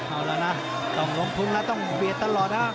เอาล่ะนะต้องลบพุ่งแล้วต้องเบียดตลอด